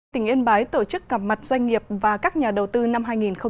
tỉnh yên bái tổ chức gặp mặt doanh nghiệp và các nhà đầu tư năm hai nghìn hai mươi